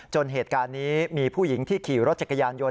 เหตุการณ์นี้มีผู้หญิงที่ขี่รถจักรยานยนต